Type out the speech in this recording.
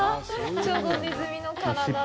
ちょうどネズミの体と尻尾！